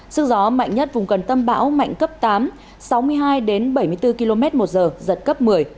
sức gió mạnh nhất vùng gần tâm bão mạnh cấp tám sáu mươi hai đến bảy mươi bốn km một giờ giật cấp một mươi